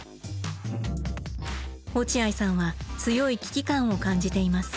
落合さんは強い危機感を感じています。